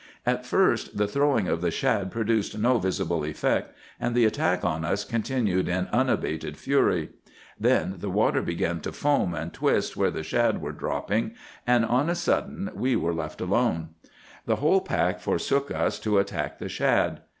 "At first the throwing of the shad produced no visible effect, and the attack on us continued in unabated fury. Then the water began to foam and twist where the shad were dropping, and on a sudden we were left alone. "The whole pack forsook us to attack the shad.